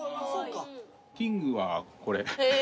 キングはこれ。